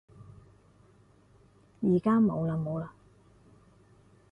而家冇嘞冇嘞